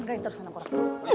enggak yang terus anak orang